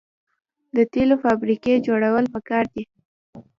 د تیلو فابریکې جوړول پکار دي.